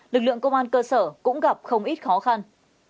lực lượng công an cơ sở cũng gặp không ít khó khăn